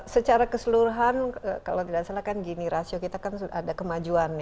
secara keseluruhan kalau tidak salah kan gini rasio kita kan ada kemajuan